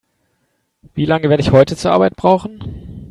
Wie lange werde ich heute zur Arbeit brauchen?